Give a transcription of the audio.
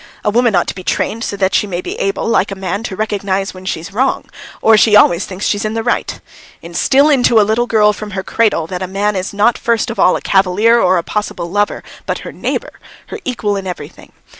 A woman ought to be trained so that she may be able, like a man, to recognise when she's wrong, or she always thinks she's in the right. Instil into a little girl from her cradle that a man is not first of all a cavalier or a possible lover, but her neighbour, her equal in everything.